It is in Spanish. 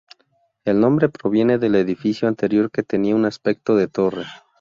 El nombre proviene del edificio anterior que tenía un aspecto de torre.